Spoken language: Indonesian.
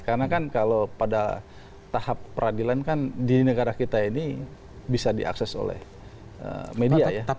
karena kan kalau pada tahap peradilan kan di negara kita ini bisa diakses oleh media ya